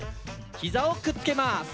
ひざをくっつけます！